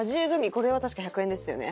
これは確か１００円ですよね